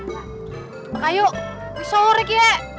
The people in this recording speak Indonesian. maka yuk bisa lurik ya